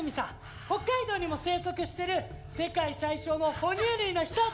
北海道にも生息してる世界最小の哺乳類の一つ。